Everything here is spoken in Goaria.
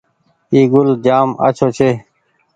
اي گوُل جآم آڇوٚنٚ ڇي